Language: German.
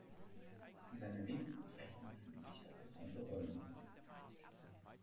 Zu seiner Linken und Rechten befinden sich abgetrennte Räume.